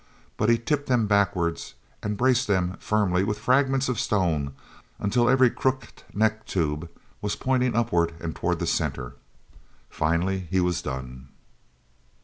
But he tipped them backward and braced them firmly with fragments of stone until every crooked neck tube was pointed upward and toward the center. Finally he was done.